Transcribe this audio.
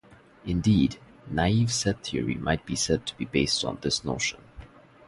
Indeed, naive set theory might be said to be based on this notion.